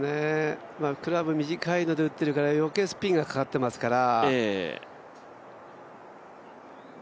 クラブ短いので打ってるから、余計スピンがかかってますから。